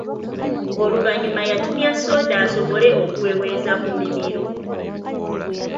Oluvannyuma yatumya sooda asobole okuweweza ku mimiro.